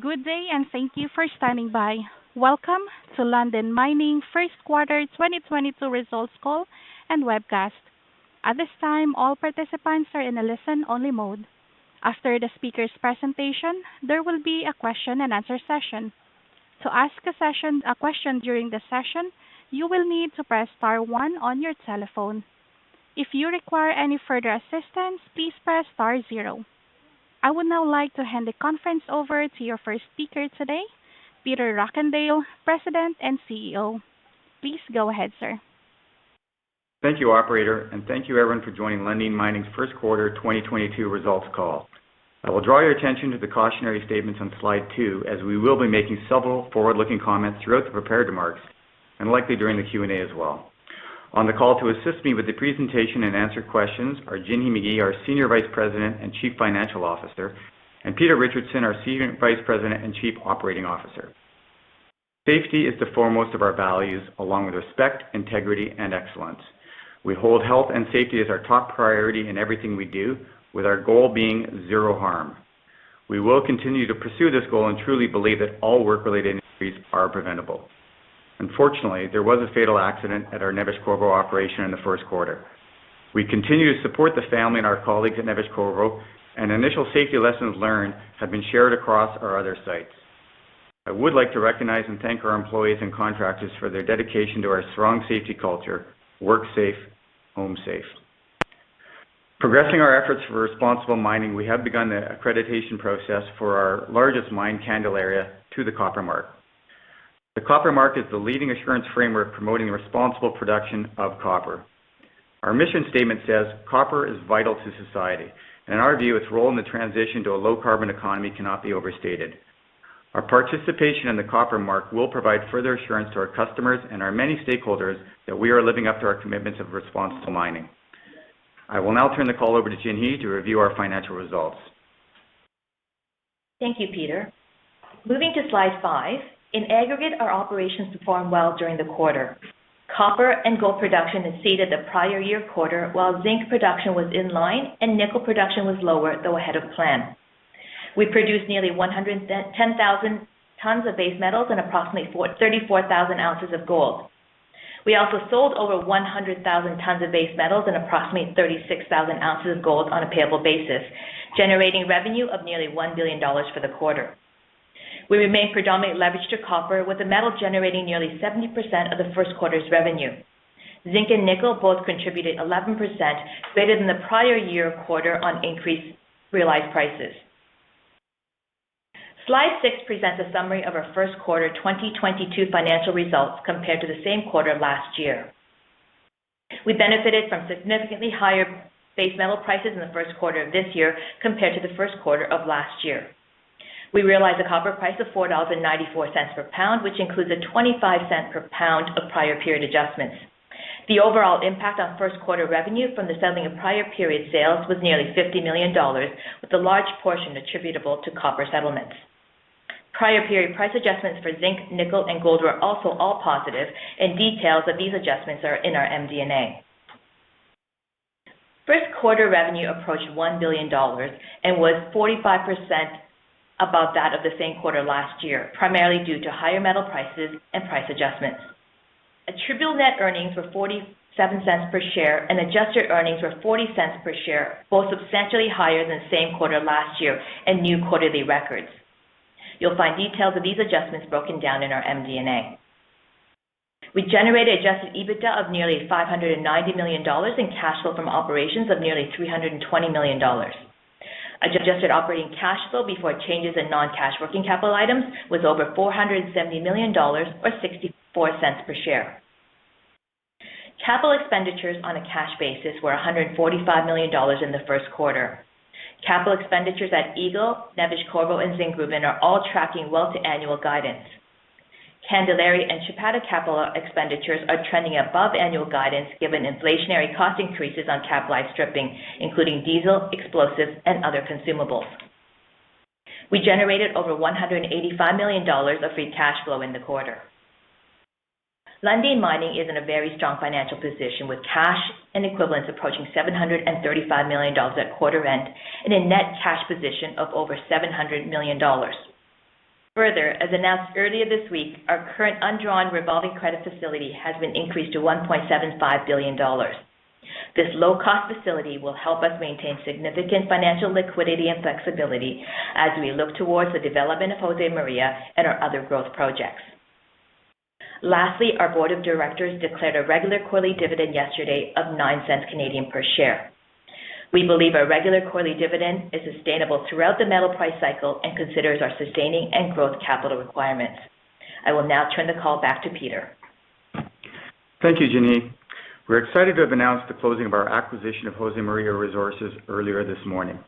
Good day, and thank you for standing by. Welcome to Lundin Mining first quarter 2022 results call and webcast. At this time, all participants are in a listen-only mode. After the speaker's presentation, there will be a question-and-answer session. To ask a question during the session, you will need to press star one on your telephone. If you require any further assistance, please press star zero. I would now like to hand the conference over to your first speaker today, Peter Rockandel, President and CEO. Please go ahead, sir. Thank you, operator, and thank you everyone for joining Lundin Mining's first quarter 2022 results call. I will draw your attention to the cautionary statements on slide two, as we will be making several forward-looking comments throughout the prepared remarks and likely during the Q&A as well. On the call to assist me with the presentation and answer questions are Jinhee Magie, our Senior Vice President and Chief Financial Officer, and Peter Richardson, our Senior Vice President and Chief Operating Officer. Safety is the foremost of our values, along with respect, integrity, and excellence. We hold health and safety as our top priority in everything we do, with our goal being zero harm. We will continue to pursue this goal and truly believe that all work-related injuries are preventable. Unfortunately, there was a fatal accident at our Neves-Corvo operation in the first quarter. We continue to support the family and our colleagues at Neves-Corvo, and initial safety lessons learned have been shared across our other sites. I would like to recognize and thank our employees and contractors for their dedication to our strong safety culture, Work Safe, Home Safe. Progressing our efforts for responsible mining, we have begun the accreditation process for our largest mine Candelaria to the Copper Mark. The Copper Mark is the leading assurance framework promoting the responsible production of copper. Our mission statement says copper is vital to society, and in our view, its role in the transition to a low carbon economy cannot be overstated. Our participation in the Copper Mark will provide further assurance to our customers and our many stakeholders that we are living up to our commitments of responsible mining. I will now turn the call over to Jinhee to review our financial results. Thank you, Peter. Moving to slide five. In aggregate, our operations performed well during the quarter. Copper and gold production exceeded the prior year quarter, while zinc production was in line and nickel production was lower, though ahead of plan. We produced nearly 110,000 tons of base metals and approximately 44,000 ounces of gold. We also sold over 100,000 tons of base metals and approximately 36,000 ounces of gold on a payable basis, generating revenue of nearly $1 billion for the quarter. We remain predominantly leveraged to copper, with the metal generating nearly 70% of the first quarter's revenue. Zinc and nickel both contributed 11% greater than the prior year quarter on increased realized prices. Slide six presents a summary of our first quarter 2022 financial results compared to the same quarter last year. We benefited from significantly higher base metal prices in the first quarter of this year compared to the first quarter of last year. We realized a copper price of $4.94 per pound, which includes a $0.25 per pound of prior period adjustments. The overall impact on first quarter revenue from the settlement of prior period sales was nearly $50 million, with a large portion attributable to copper settlements. Prior period price adjustments for zinc, nickel, and gold were also all positive, and details of these adjustments are in our MD&A. First quarter revenue approached $1 billion and was 45% above that of the same quarter last year, primarily due to higher metal prices and price adjustments. Attributable net earnings were $0.47 per share, and adjusted earnings were $0.40 per share, both substantially higher than the same quarter last year and new quarterly records. You'll find details of these adjustments broken down in our MD&A. We generated adjusted EBITDA of nearly $590 million and cash flow from operations of nearly $320 million. Adjusted operating cash flow before changes in non-cash working capital items was over $470 million or $0.64 per share. Capital expenditures on a cash basis were $145 million in the first quarter. Capital expenditures at Eagle, Neves-Corvo, and Zinkgruvan are all tracking well to annual guidance. Candelaria and Chapada capital expenditures are trending above annual guidance given inflationary cost increases on capitalized stripping, including diesel, explosives, and other consumables. We generated over $185 million of free cash flow in the quarter. Lundin Mining is in a very strong financial position, with cash and equivalents approaching $735 million at quarter end and a net cash position of over $700 million. Further, as announced earlier this week, our current undrawn revolving credit facility has been increased to $1.75 billion. This low-cost facility will help us maintain significant financial liquidity and flexibility as we look towards the development of Josemaria and our other growth projects. Lastly, our board of directors declared a regular quarterly dividend yesterday of 0.09 per share. We believe our regular quarterly dividend is sustainable throughout the metal price cycle and considers our sustaining and growth capital requirements. I will now turn the call back to Peter. Thank you, Jinhee. We're excited to have announced the closing of our acquisition of Josemaria Resources earlier this morning.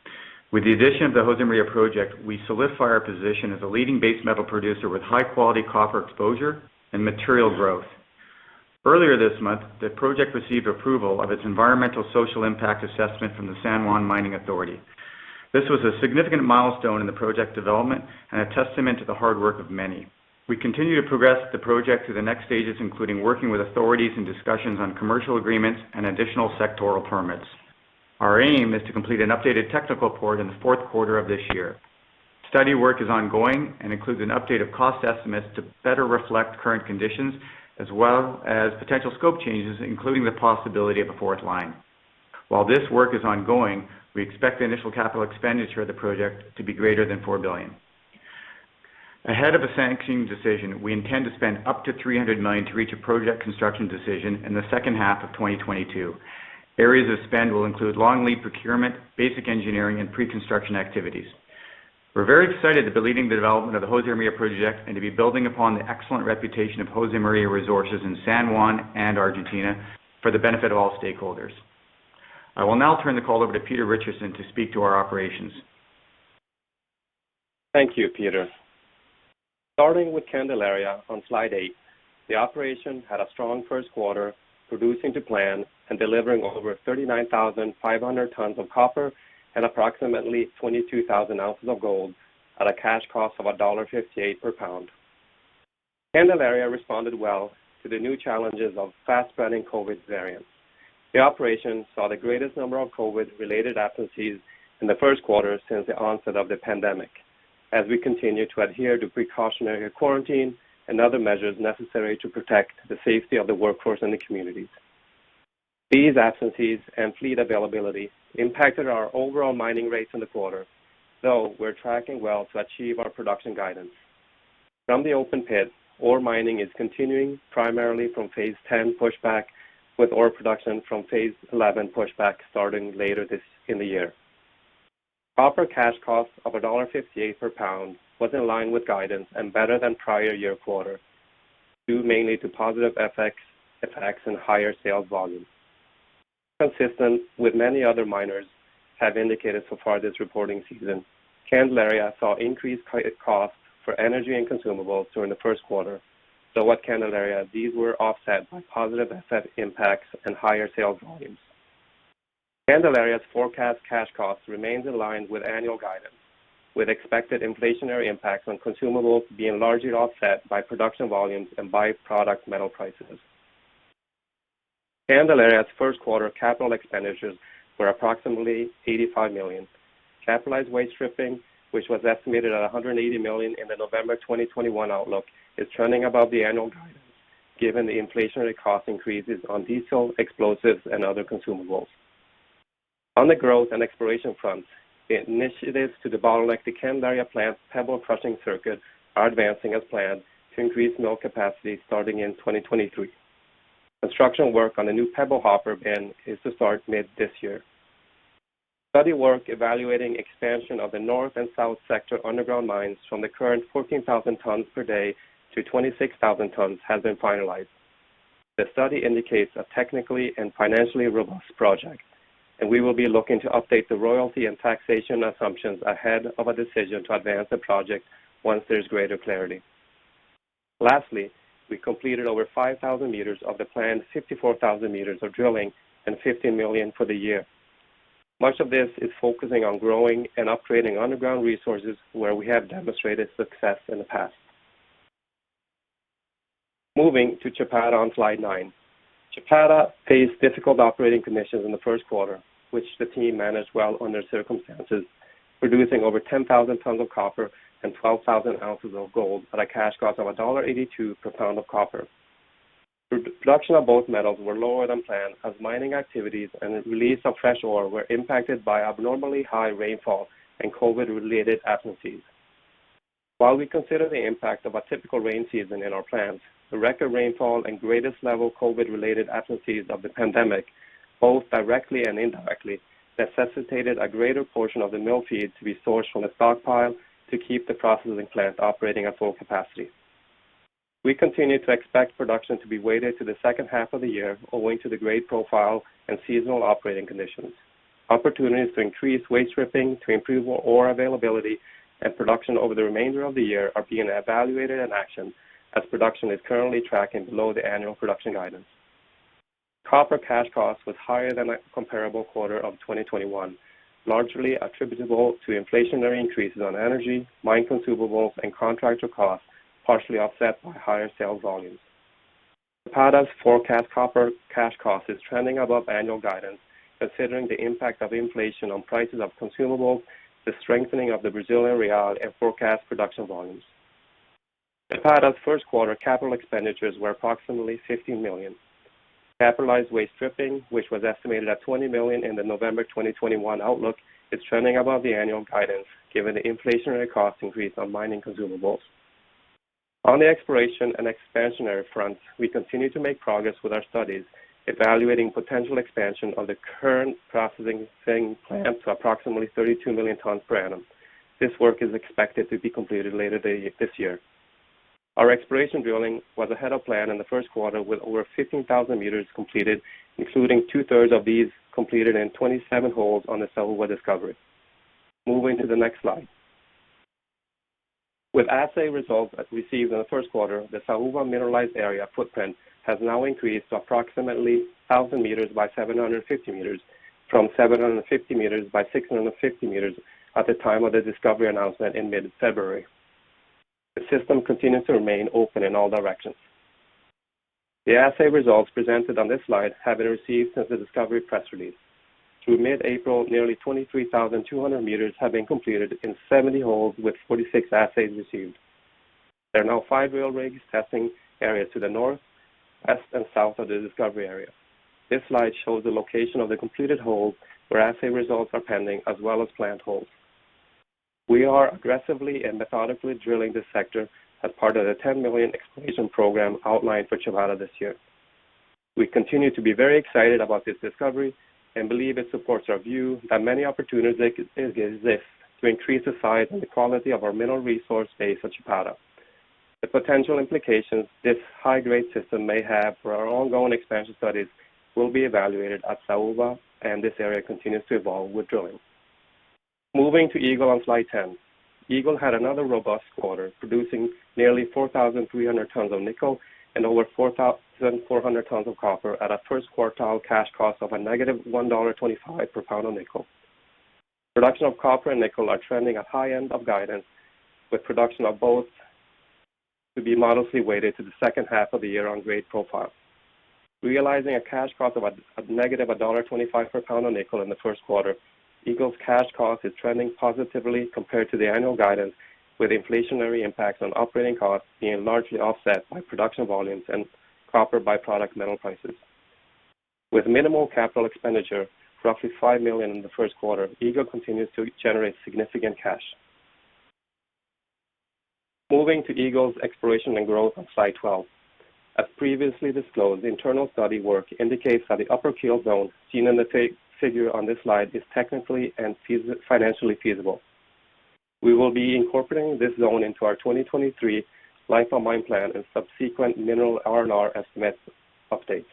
With the addition of the Josemaria project, we solidify our position as a leading base metal producer with high-quality copper exposure and material growth. Earlier this month, the project received approval of its Environmental Social Impact Assessment from the Mining Authority of San Juan. This was a significant milestone in the project development and a testament to the hard work of many. We continue to progress the project to the next stages, including working with authorities in discussions on commercial agreements and additional sectoral permits. Our aim is to complete an updated technical report in the fourth quarter of this year. Study work is ongoing and includes an update of cost estimates to better reflect current conditions as well as potential scope changes, including the possibility of a fourth line. While this work is ongoing, we expect the initial capital expenditure of the project to be greater than $4 billion. Ahead of a sanction decision, we intend to spend up to $300 million to reach a project construction decision in the second half of 2022. Areas of spend will include long lead procurement, basic engineering, and pre-construction activities. We're very excited to be leading the development of the Josemaria project and to be building upon the excellent reputation of Josemaria Resources in San Juan and Argentina for the benefit of all stakeholders. I will now turn the call over to Peter Richardson to speak to our operations. Thank you, Peter. Starting with Candelaria on slide eight, the operation had a strong first quarter producing to plan and delivering over 39,500 tons of copper and approximately 22,000 ounces of gold at a cash cost of $0.58 per pound. Candelaria responded well to the new challenges of fast-spreading COVID variants. The operation saw the greatest number of COVID-related absences in the first quarter since the onset of the pandemic. As we continue to adhere to precautionary quarantine and other measures necessary to protect the safety of the workforce and the communities. These absences and fleet availability impacted our overall mining rates in the quarter, though we're tracking well to achieve our production guidance. From the open pit, ore mining is continuing primarily from Phase 10 pushback, with ore production from Phase 11 pushback starting later this year. Proper cash cost of $0.58 per pound was in line with guidance and better than prior year quarter, due mainly to positive effects and higher sales volumes. Consistent with many other miners have indicated so far this reporting season, Candelaria saw increased credit costs for energy and consumables during the first quarter, so at Candelaria these were offset by positive asset impacts and higher sales volumes. Candelaria's forecast cash cost remains in line with annual guidance, with expected inflationary impacts on consumables being largely offset by production volumes and by product metal prices. Candelaria's first quarter capital expenditures were approximately $85 million. Capitalized waste stripping, which was estimated at $180 million in the November 2021 outlook, is trending above the annual guidance given the inflationary cost increases on diesel, explosives, and other consumables. On the growth and exploration front, the initiatives to debottleneck the Candelaria plant's pebble crushing circuit are advancing as planned to increase mill capacity starting in 2023. Construction work on the new pebble hopper bin is to start mid this year. Study work evaluating expansion of the north and south sector underground mines from the current 14,000 tons per day to 26,000 tons has been finalized. The study indicates a technically and financially robust project, and we will be looking to update the royalty and taxation assumptions ahead of a decision to advance the project once there's greater clarity. Lastly, we completed over 5,000 meters of the planned 54,000 meters of drilling and $50 million for the year. Much of this is focusing on growing and upgrading underground resources where we have demonstrated success in the past. Moving to Chapada on slide nine. Chapada faced difficult operating conditions in the first quarter, which the team managed well under circumstances, producing over 10,000 tons of copper and 12,000 ounces of gold at a cash cost of $82 per pound of copper. Production of both metals were lower than planned as mining activities and the release of fresh ore were impacted by abnormally high rainfall and COVID-related absences. While we consider the impact of a typical rainy season in our plans, the record rainfall and greatest level of COVID-related absences of the pandemic, both directly and indirectly, necessitated a greater portion of the mill feed to be sourced from the stockpile to keep the processing plant operating at full capacity. We continue to expect production to be weighted to the second half of the year, owing to the grade profile and seasonal operating conditions. Opportunities to increase waste stripping to improve ore availability and production over the remainder of the year are being evaluated in action as production is currently tracking below the annual production guidance. Copper cash cost was higher than a comparable quarter of 2021, largely attributable to inflationary increases on energy, mine consumables, and contractor costs, partially offset by higher sales volumes. Chapada's forecast copper cash cost is trending above annual guidance, considering the impact of inflation on prices of consumables, the strengthening of the Brazilian real, and forecast production volumes. Chapada's first quarter capital expenditures were approximately $50 million. Capitalized waste stripping, which was estimated at $20 million in the November 2021 outlook, is trending above the annual guidance given the inflationary cost increase on mining consumables. On the exploration and expansionary fronts, we continue to make progress with our studies evaluating potential expansion of the current processing plant to approximately 32 million tons per annum. This work is expected to be completed later this year. Our exploration drilling was ahead of plan in the first quarter with over 15,000 meters completed, including two-thirds of these completed in 27 holes on the Saúva discovery. Moving to the next slide. With assay results received in the first quarter, the Saúva mineralized area footprint has now increased to approximately 1,000 meters by 750 meters from 750 meters by 650 meters at the time of the discovery announcement in mid-February. The system continues to remain open in all directions. The assay results presented on this slide have been received since the discovery press release. Through mid-April, nearly 23,200 meters have been completed in 70 holes with 46 assays received. There are now five drill rigs testing areas to the north, west, and south of the discovery area. This slide shows the location of the completed holes where assay results are pending, as well as planned holes. We are aggressively and methodically drilling this sector as part of the $10 million exploration program outlined for Chapada this year. We continue to be very excited about this discovery and believe it supports our view that many opportunities exist to increase the size and the quality of our mineral resource base at Chapada. The potential implications this high-grade system may have for our ongoing expansion studies will be evaluated at Saúva, and this area continues to evolve with drilling. Moving to Eagle on slide 10. Eagle had another robust quarter, producing nearly 4,300 tons of nickel and over 4,400 tons of copper at a first quartile cash cost of negative $1.25 per pound on nickel. Production of copper and nickel are trending at high end of guidance, with production of both to be modestly weighted to the second half of the year on grade profile. Realizing a cash cost of negative $1.25 per pound on nickel in the first quarter, Eagle's cash cost is trending positively compared to the annual guidance, with inflationary impacts on operating costs being largely offset by production volumes and copper by-product metal prices. With minimal capital expenditure, roughly $5 million in the first quarter, Eagle continues to generate significant cash. Moving to Eagle's exploration and growth on slide 12. As previously disclosed, internal study work indicates that the upper Keel zone, seen in the figure on this slide, is technically and financially feasible. We will be incorporating this zone into our 2023 life of mine plan and subsequent mineral R&R estimate updates.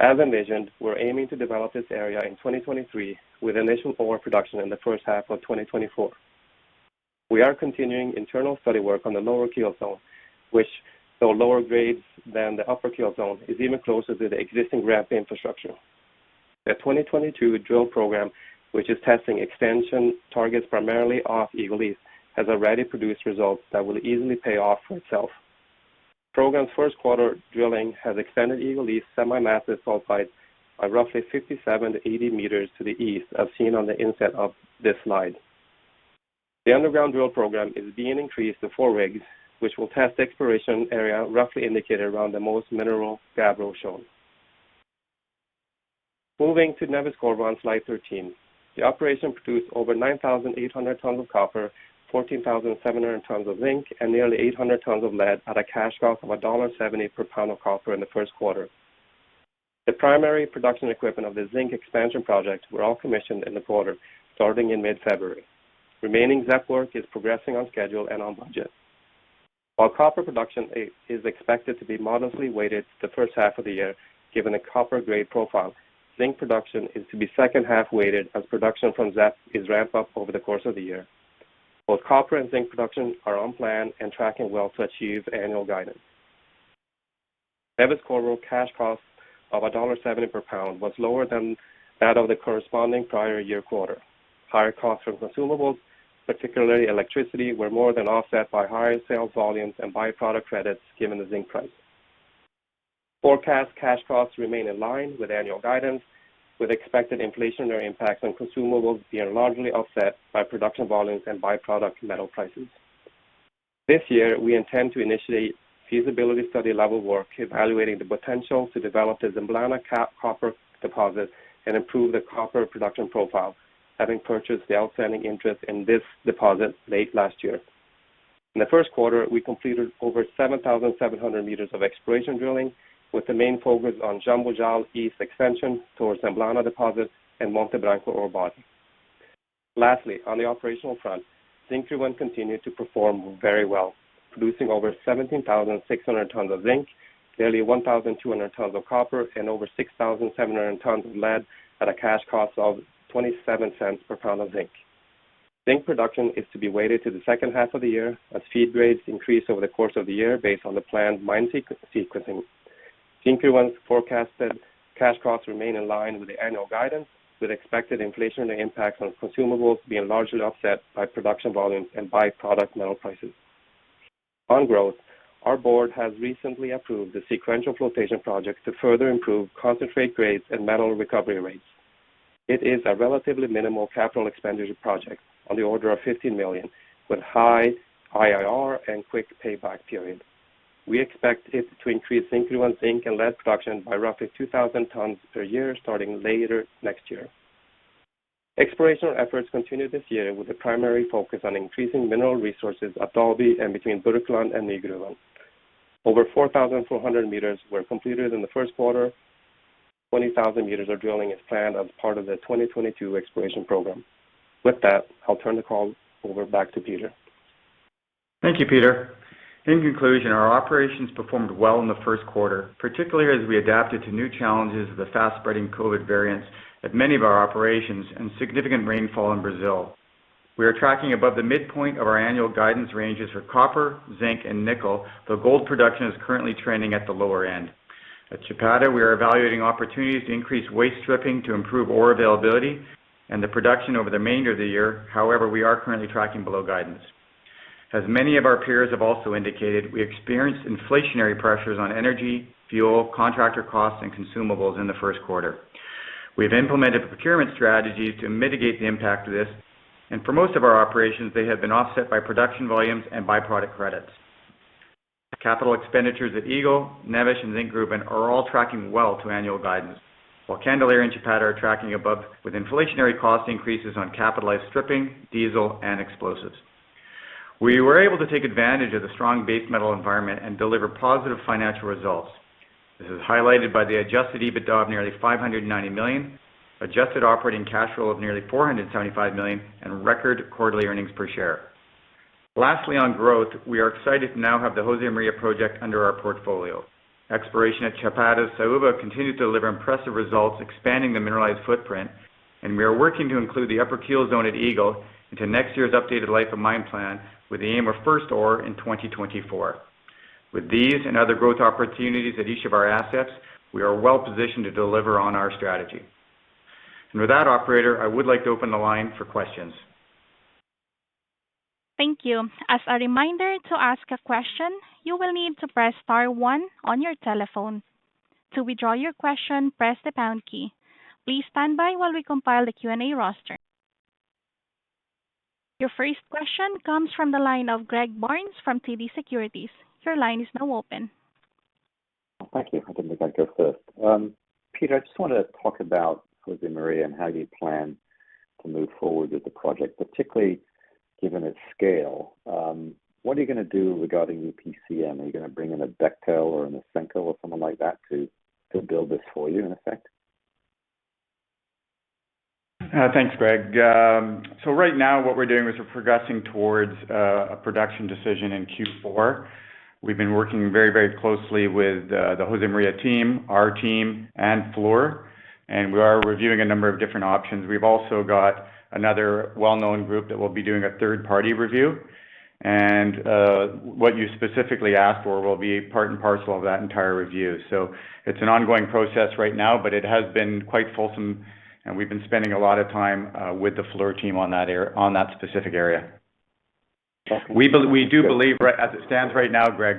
As envisioned, we're aiming to develop this area in 2023 with initial ore production in the first half of 2024. We are continuing internal study work on the lower Keel zone, which, though lower grades than the upper Keel zone, is even closer to the existing ramp infrastructure. The 2022 drill program, which is testing extension targets primarily off Eagle East, has already produced results that will easily pay off for itself. Program's first quarter drilling has extended Eagle East semi-massive sulfides by roughly 57 meters-80 meters to the east, as seen on the inset of this slide. The underground drill program is being increased to four rigs, which will test the exploration area roughly indicated around the most mineral gabbro shown. Moving to Neves-Corvo on slide 13. The operation produced over 9,800 tons of copper, 14,700 tons of zinc, and nearly 800 tons of lead at a cash cost of $1.70 per pound of copper in the first quarter. The primary production equipment of the zinc expansion project were all commissioned in the quarter, starting in mid-February. Remaining ZEP work is progressing on schedule and on budget. While copper production is expected to be modestly weighted to the first half of the year, given the copper grade profile, zinc production is to be second-half weighted as production from ZEP is ramped up over the course of the year. Both copper and zinc production are on plan and tracking well to achieve annual guidance. Neves-Corvo cash cost of $1.70 per pound was lower than that of the corresponding prior year quarter. Higher costs from consumables, particularly electricity, were more than offset by higher sales volumes and by-product credits given the zinc price. Forecast cash costs remain in line with annual guidance, with expected inflationary impacts on consumables being largely offset by production volumes and by-product metal prices. This year, we intend to initiate feasibility study level work, evaluating the potential to develop the Semblana copper deposit and improve the copper production profile, having purchased the outstanding interest in this deposit late last year. In the first quarter, we completed over 7,700 meters of exploration drilling, with the main focus on Lombador East extension towards Semblana deposit and Monte Branco ore body. Lastly, on the operational front, Zinkgruvan continued to perform very well, producing over 17,600 tons of zinc, nearly 1,200 tons of copper, and over 6,700 tons of lead at a cash cost of $0.27 per pound of zinc. Zinc production is to be weighted to the second half of the year as feed grades increase over the course of the year based on the planned mine sequencing. Zinkgruvan's forecasted cash costs remain in line with the annual guidance, with expected inflationary impacts on consumables being largely offset by production volumes and by-product metal prices. On growth, our board has recently approved the sequential flotation project to further improve concentrate grades and metal recovery rates. It is a relatively minimal capital expenditure project on the order of $50 million, with high IRR and quick payback period. We expect it to increase Zinkgruvan zinc and lead production by roughly 2,000 tons per year starting later next year. Exploration efforts continue this year with a primary focus on increasing mineral resources at Dalby and between Burkland and Nygruvan. Over 4,400 meters were completed in the first quarter. 20,000 meters of drilling as planned as part of the 2022 exploration program. With that, I'll turn the call over back to Peter. Thank you, Peter. In conclusion, our operations performed well in the first quarter, particularly as we adapted to new challenges of the fast-spreading COVID variants at many of our operations and significant rainfall in Brazil. We are tracking above the midpoint of our annual guidance ranges for copper, zinc, and nickel, though gold production is currently trending at the lower end. At Chapada, we are evaluating opportunities to increase waste stripping to improve ore availability and the production over the remainder of the year. However, we are currently tracking below guidance. As many of our peers have also indicated, we experienced inflationary pressures on energy, fuel, contractor costs, and consumables in the first quarter. We have implemented procurement strategies to mitigate the impact of this, and for most of our operations, they have been offset by production volumes and byproduct credits. Capital expenditures at Eagle, Neves-Corvo and Zinkgruvan are all tracking well to annual guidance. While Candelaria and Chapada are tracking above with inflationary cost increases on capitalized stripping, diesel, and explosives. We were able to take advantage of the strong base metal environment and deliver positive financial results. This is highlighted by the adjusted EBITDA of nearly $590 million, adjusted operating cash flow of nearly $475 million, and record quarterly earnings per share. Lastly, on growth, we are excited to now have the Josemaria project under our portfolio. Exploration at Chapada Saúva continued to deliver impressive results, expanding the mineralized footprint, and we are working to include the upper keel zone at Eagle into next year's updated life of mine plan with the aim of first ore in 2024. With these and other growth opportunities at each of our assets, we are well-positioned to deliver on our strategy. With that operator, I would like to open the line for questions. Thank you. As a reminder to ask a question, you will need to press star one on your telephone. To withdraw your question, press the pound key. Please stand by while we compile the Q&A roster. Your first question comes from the line of Greg Barnes from TD Securities. Your line is now open. Thank you. I can make that go first. Peter, I just want to talk about Josemaria and how you plan to move forward with the project, particularly given its scale. What are you gonna do regarding EPCM? Are you gonna bring in a Bechtel or a Hatch or someone like that to build this for you in effect? Thanks, Greg. Right now what we're doing is we're progressing towards a production decision in Q4. We've been working very, very closely with the Josemaria team, our team and Fluor, and we are reviewing a number of different options. We've also got another well-known group that will be doing a third-party review. What you specifically asked for will be part and parcel of that entire review. It's an ongoing process right now, but it has been quite fulsome, and we've been spending a lot of time with the Fluor team on that specific area. Okay. We do believe as it stands right now, Greg,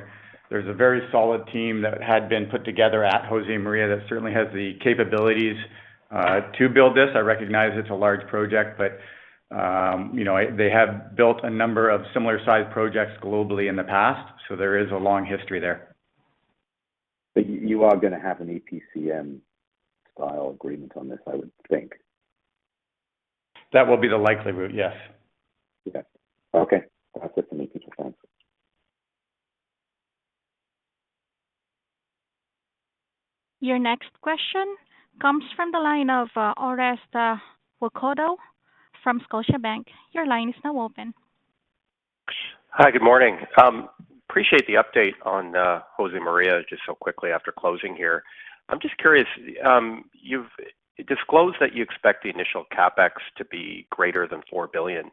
there's a very solid team that had been put together at Josemaria that certainly has the capabilities to build this. I recognize it's a large project, but you know, they have built a number of similar size projects globally in the past, so there is a long history there. You are gonna have an EPCM style agreement on this, I would think. That will be the likely route, yes. Okay. Okay. That's it for me, Peter. Thanks. Your next question comes from the line of Orest Wowkodaw from Scotiabank. Your line is now open. Hi, good morning. Appreciate the update on Josemaria just so quickly after closing here. I'm just curious, you've disclosed that you expect the initial CapEx to be greater than $4 billion.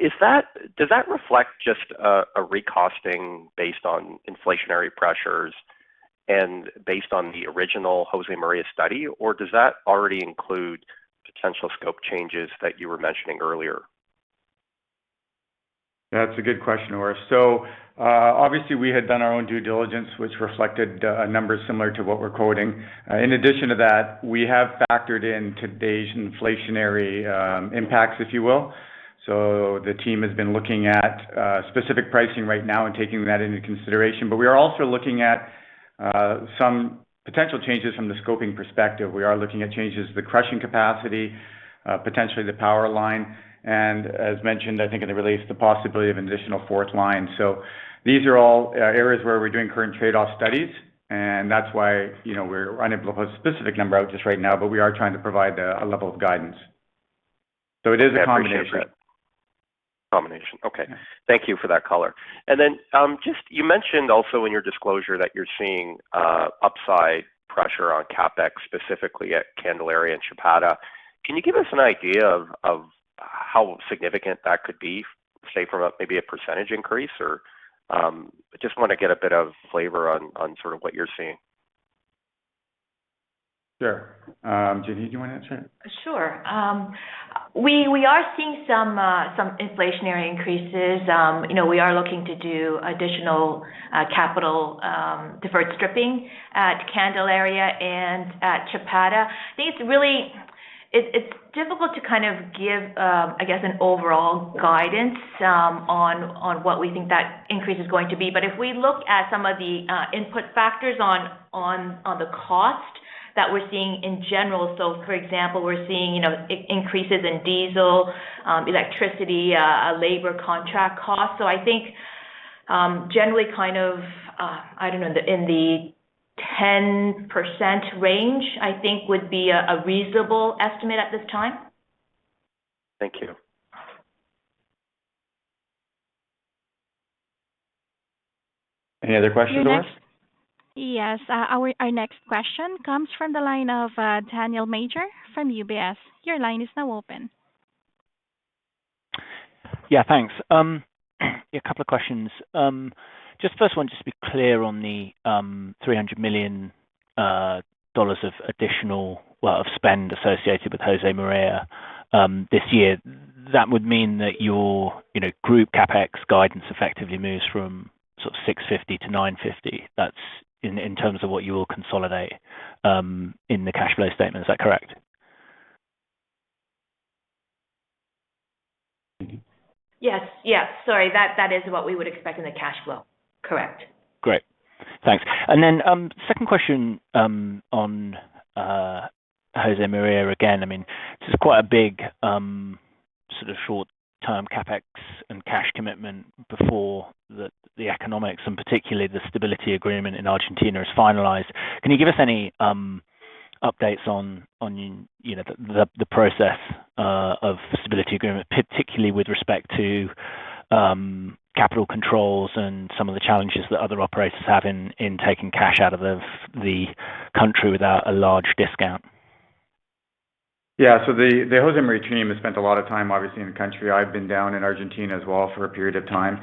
Does that reflect just a recosting based on inflationary pressures and based on the original Josemaria study, or does that already include potential scope changes that you were mentioning earlier? That's a good question, Orest. Obviously we had done our own due diligence, which reflected numbers similar to what we're quoting. In addition to that, we have factored in today's inflationary impacts, if you will. The team has been looking at specific pricing right now and taking that into consideration. But we are also looking at some potential changes from the scoping perspective. We are looking at changes to the crushing capacity, potentially the power line, and as mentioned, I think in the release, the possibility of an additional fourth line. These are all areas where we're doing current trade-off studies, and that's why, you know, we're unable to put a specific number out just right now, but we are trying to provide a level of guidance. It is a combination. Yeah, appreciate that. Combination. Okay. Thank you for that color. Then, just you mentioned also in your disclosure that you're seeing upside pressure on CapEx, specifically at Candelaria and Chapada. Can you give us an idea of how significant that could be, say, from a maybe a percentage increase or, I just wanna get a bit of flavor on sort of what you're seeing. Sure. Jinhee, do you wanna answer it? Sure. We are seeing some inflationary increases. You know, we are looking to do additional capital deferred stripping at Candelaria and at Chapada. I think it's difficult to kind of give I guess an overall guidance on what we think that increase is going to be. If we look at some of the input factors on the cost that we're seeing in general, so for example, we're seeing, you know, increases in diesel, electricity, labor contract costs. I think generally kind of I don't know in the 10% range, I think, would be a reasonable estimate at this time. Thank you. Any other questions, Orest? Yes. Our next question comes from the line of Daniel Major from UBS. Your line is now open. Yeah, thanks. Yeah, a couple of questions. Just first one, just to be clear on the $300 million. Dollars of additional of spend associated with Josemaria this year. That would mean that your, you know, group CapEx guidance effectively moves from sort of $650-$950. That's in terms of what you will consolidate in the cash flow statement. Is that correct? Yes. Sorry. That is what we would expect in the cash flow. Correct. Great. Thanks. Second question on Josemaria again. I mean, this is quite a big sort of short-term CapEx and cash commitment before the economics and particularly the stability agreement in Argentina is finalized. Can you give us any updates on you know the process of the stability agreement, particularly with respect to capital controls and some of the challenges that other operators have in taking cash out of the country without a large discount? Yeah. The Josemaria team has spent a lot of time, obviously in the country. I've been down in Argentina as well for a period of time.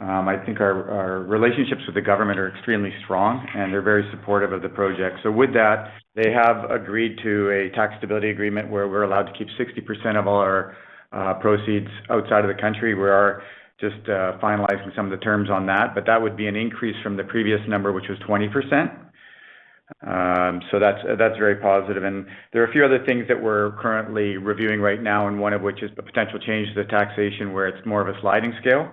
I think our relationships with the government are extremely strong, and they're very supportive of the project. With that, they have agreed to a tax stability agreement where we're allowed to keep 60% of all our proceeds outside of the country. We are just finalizing some of the terms on that, but that would be an increase from the previous number, which was 20%. That's very positive. There are a few other things that we're currently reviewing right now, and one of which is a potential change to the taxation, where it's more of a sliding scale.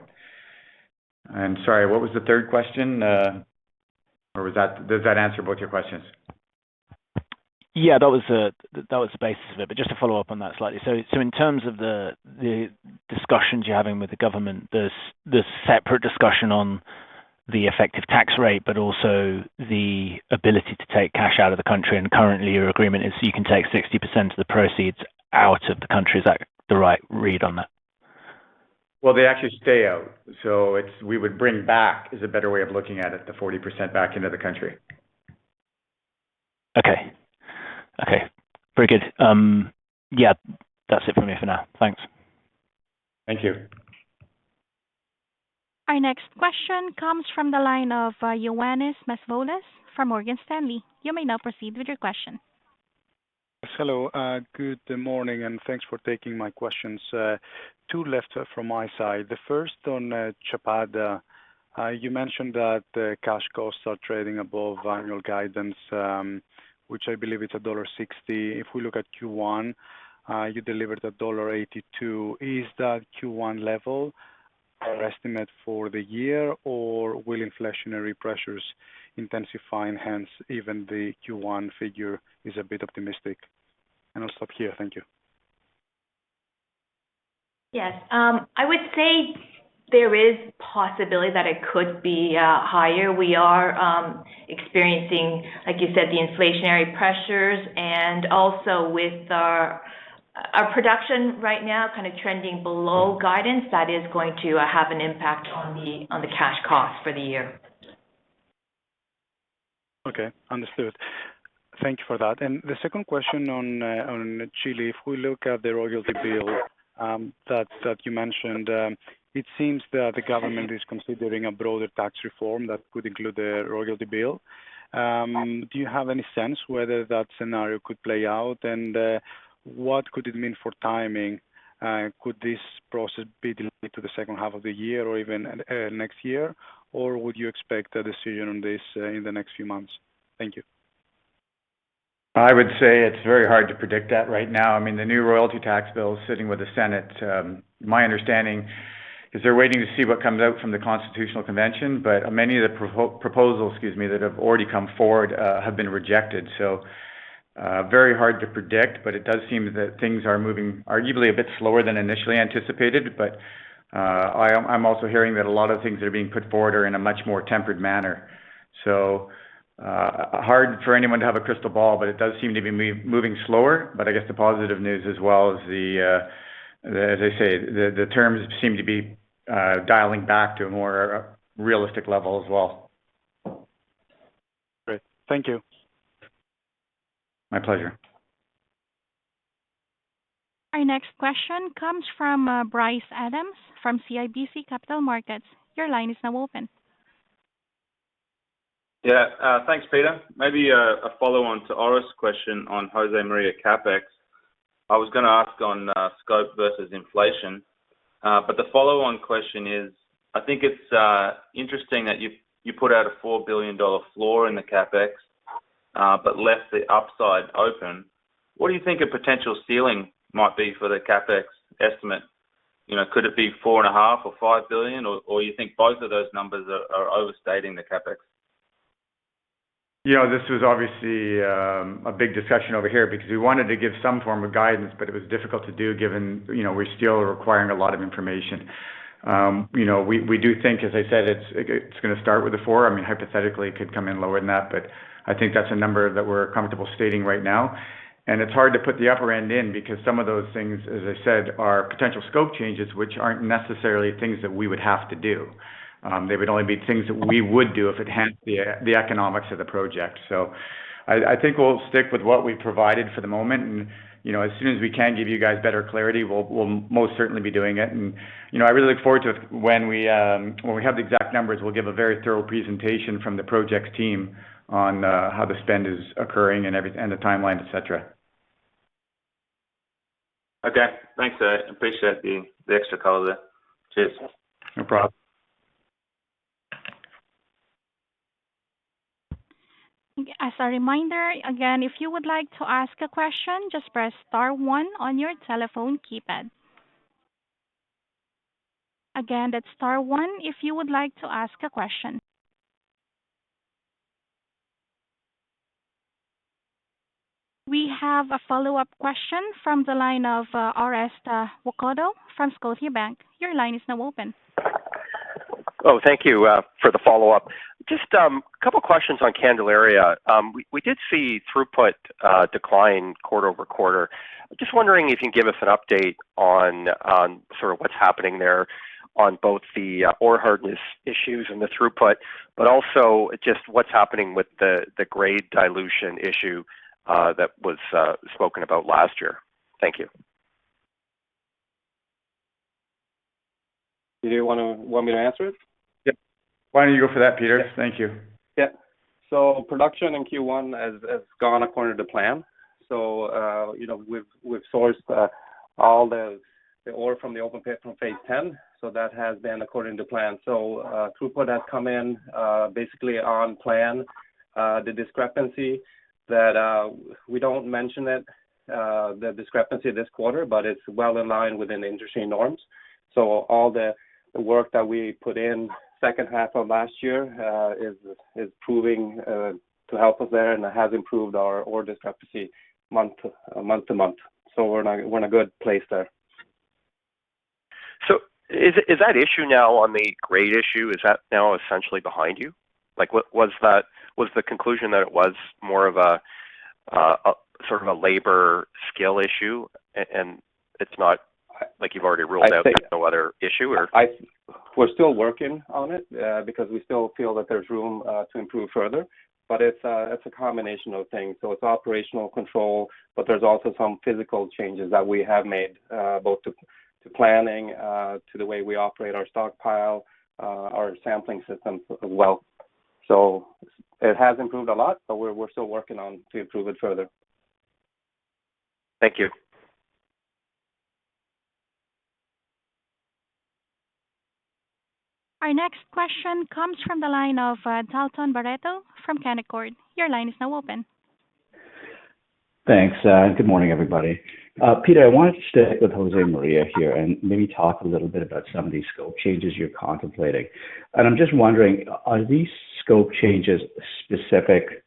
I'm sorry, what was the third question? Or was that... Does that answer both your questions? Yeah, that was the basis of it. Just to follow up on that slightly. In terms of the discussions you're having with the government, there's the separate discussion on the effective tax rate, but also the ability to take cash out of the country. Currently your agreement is you can take 60% of the proceeds out of the country. Is that the right read on that? Well, they actually stay out, so it's we would bring back is a better way of looking at it, the 40% back into the country. Okay. Very good. Yeah, that's it for me for now. Thanks. Thank you. Our next question comes from the line of Ioannis Masvoulas from Morgan Stanley. You may now proceed with your question. Hello. Good morning, and thanks for taking my questions. Two left from my side. The first on Chapada. You mentioned that cash costs are tracking above annual guidance, which I believe it's $1.60. If we look at Q1, you delivered a $1.82. Is that Q1 level our estimate for the year? Or will inflationary pressures intensify hence even the Q1 figure is a bit optimistic? I'll stop here. Thank you. Yes. I would say there is possibility that it could be higher. We are experiencing, like you said, the inflationary pressures and also with our production right now kind of trending below guidance that is going to have an impact on the cash cost for the year. Okay. Understood. Thank you for that. The second question on Chile, if we look at the royalty bill that you mentioned, it seems that the government is considering a broader tax reform that could include a royalty bill. Do you have any sense whether that scenario could play out? What could it mean for timing? Could this process be delayed to the second half of the year or even next year? Or would you expect a decision on this in the next few months? Thank you. I would say it's very hard to predict that right now. I mean, the new royalty tax bill is sitting with the Senate. My understanding is they're waiting to see what comes out from the Constitutional Convention, but many of the proposals, excuse me, that have already come forward have been rejected. Very hard to predict, but it does seem that things are moving arguably a bit slower than initially anticipated. I'm also hearing that a lot of things that are being put forward are in a much more tempered manner. Hard for anyone to have a crystal ball, but it does seem to be moving slower. I guess the positive news as well is, as I say, the terms seem to be dialing back to a more realistic level as well. Great. Thank you. My pleasure. Our next question comes from Bryce Adams, from CIBC Capital Markets. Your line is now open. Thanks, Peter. Maybe a follow-on to Oro's question on Josemaria CapEx. I was gonna ask on scope versus inflation. The follow-on question is, I think it's interesting that you put out a $4 billion floor in the CapEx, but left the upside open. What do you think a potential ceiling might be for the CapEx estimate? You know, could it be $4.5 billion or $5 billion? Or you think both of those numbers are overstating the CapEx? You know, this was obviously a big discussion over here because we wanted to give some form of guidance, but it was difficult to do given, you know, we're still requiring a lot of information. You know, we do think, as I said, it's gonna start with a four. I mean, hypothetically, it could come in lower than that, but I think that's a number that we're comfortable stating right now. It's hard to put the upper end in because some of those things, as I said, are potential scope changes, which aren't necessarily things that we would have to do. They would only be things that we would do if it enhanced the economics of the project. I think we'll stick with what we provided for the moment and, you know, as soon as we can give you guys better clarity, we'll most certainly be doing it. I really look forward to when we have the exact numbers. We'll give a very thorough presentation from the projects team on how the spend is occurring and the timeline, et cetera. Okay, thanks. I appreciate the extra color there. Cheers. No problem. As a reminder, again, if you would like to ask a question, just press star one on your telephone keypad. Again, that's star one if you would like to ask a question. We have a follow-up question from the line of Orest Wowkodaw from Scotiabank. Your line is now open. Oh, thank you for the follow-up. Just a couple questions on Candelaria. We did see throughput decline quarter-over-quarter. Just wondering if you can give us an update on sort of what's happening there on both the ore hardness issues and the throughput, but also just what's happening with the grade dilution issue that was spoken about last year. Thank you. Do you want me to answer it? Yep. Why don't you go for that, Peter? Thank you. Yeah. Production in Q1 has gone according to plan. You know, we've sourced all the ore from the open pit from Phase 10, so that has been according to plan. Throughput has come in basically on plan. The discrepancy that we don't mention this quarter, but it's well aligned within the industry norms. All the work that we put in second half of last year is proving to help us there and has improved our ore discrepancy month to month. We're in a good place there. Is that issue now, on the grade issue, essentially behind you? Like, was the conclusion that it was more of a sort of a labor skill issue and it's not, like you've already ruled out no other issue or? We're still working on it because we still feel that there's room to improve further, but it's a combination of things. It's operational control, but there's also some physical changes that we have made both to planning to the way we operate our stockpile our sampling systems as well. It has improved a lot, but we're still working on to improve it further. Thank you. Our next question comes from the line of Dalton Baretto from Canaccord. Your line is now open. Thanks, good morning, everybody. Peter, I wanted to stick with Josemaria here and maybe talk a little bit about some of these scope changes you're contemplating. I'm just wondering, are these scope changes specific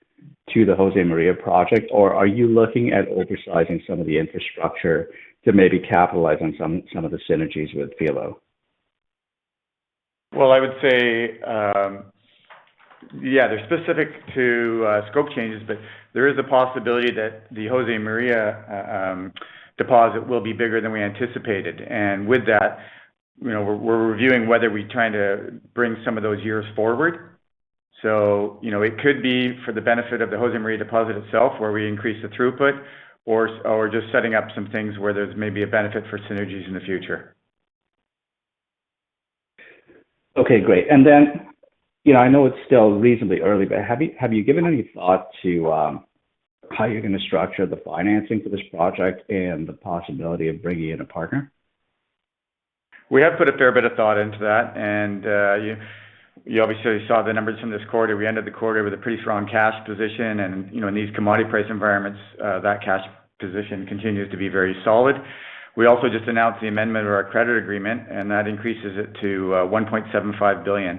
to the Josemaria project, or are you looking at oversizing some of the infrastructure to maybe capitalize on some of the synergies with Filo? Well, I would say, yeah, they're specific to scope changes, but there is a possibility that the Josemaria deposit will be bigger than we anticipated. With that, you know, we're reviewing whether we try to bring some of those years forward. You know, it could be for the benefit of the Josemaria deposit itself, where we increase the throughput or just setting up some things where there's maybe a benefit for synergies in the future. Okay, great. You know, I know it's still reasonably early, but have you given any thought to how you're gonna structure the financing for this project and the possibility of bringing in a partner? We have put a fair bit of thought into that, and you obviously saw the numbers from this quarter. We ended the quarter with a pretty strong cash position and, you know, in these commodity price environments, that cash position continues to be very solid. We also just announced the amendment of our credit agreement, and that increases it to $1.75 billion.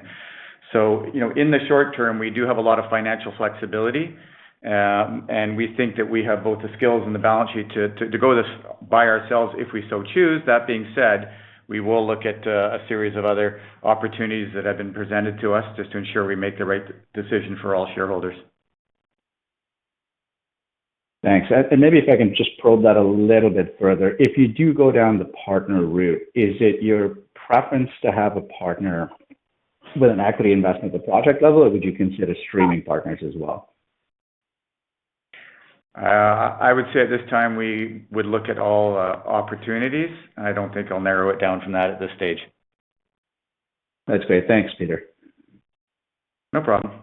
You know, in the short term, we do have a lot of financial flexibility, and we think that we have both the skills and the balance sheet to go this by ourselves if we so choose. That being said, we will look at a series of other opportunities that have been presented to us just to ensure we make the right decision for all shareholders. Thanks. Maybe if I can just probe that a little bit further. If you do go down the partner route, is it your preference to have a partner with an equity investment at the project level, or would you consider streaming partners as well? I would say at this time, we would look at all opportunities. I don't think I'll narrow it down from that at this stage. That's great. Thanks, Peter. No problem.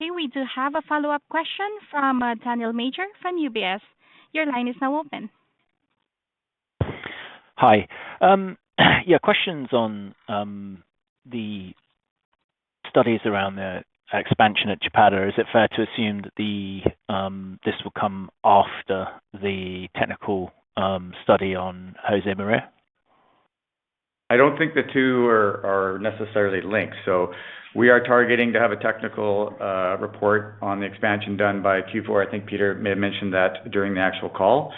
Okay. We do have a follow-up question from, Daniel Major from UBS. Your line is now open. Hi. Yeah, questions on the studies around the expansion at Chapada. Is it fair to assume that this will come after the technical study on Josemaria? I don't think the two are necessarily linked. We are targeting to have a technical report on the expansion done by Q4. I think Peter may have mentioned that during the actual call.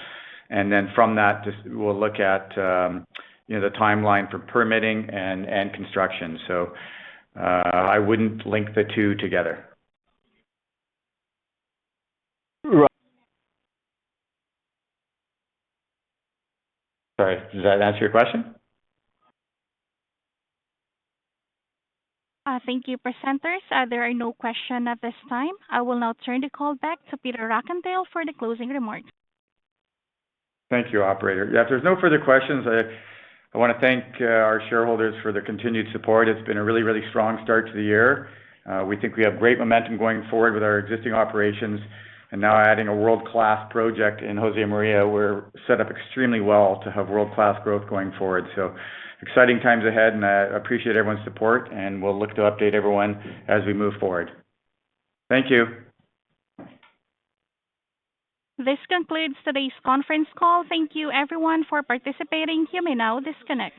Then from that, just we'll look at you know, the timeline for permitting and construction. I wouldn't link the two together. Right. Sorry, does that answer your question? Thank you, presenters. There are no questions at this time. I will now turn the call back to Peter Rockandel for the closing remarks. Thank you, operator. Yeah, if there's no further questions, I wanna thank our shareholders for their continued support. It's been a really, really strong start to the year. We think we have great momentum going forward with our existing operations and now adding a world-class project in Josemaria. We're set up extremely well to have world-class growth going forward. Exciting times ahead, and I appreciate everyone's support and we'll look to update everyone as we move forward. Thank you. This concludes today's conference call. Thank you everyone for participating. You may now disconnect.